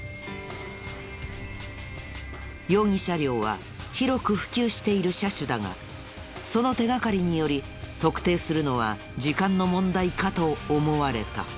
容疑車両は広く普及している車種だがその手がかりにより特定するのは時間の問題かと思われた。